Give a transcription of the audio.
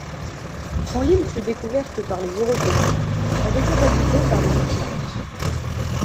Quand l'île fut découverte par les Européens, elle était habitée par les Micmacs.